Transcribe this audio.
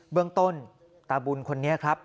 เรื่องต้นตาบุญคนนี้ครับ